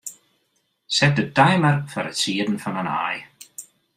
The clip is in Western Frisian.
Set de timer foar it sieden fan in aai.